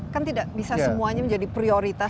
kan tidak bisa semuanya menjadi prioritas